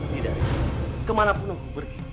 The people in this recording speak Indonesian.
tidak kemana pun aku pergi